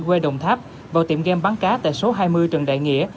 quê đồng tháp vào tiệm game bắn cá tại số hai mươi trần đại nghĩa